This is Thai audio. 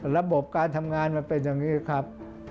ระบบการทำงานมันเป็นอย่างนี้ครับ